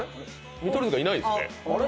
見取り図がいないですね？